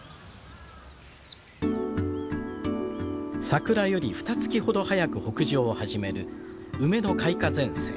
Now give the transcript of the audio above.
桜よりふた月ほど早く北上を始める梅の開花前線。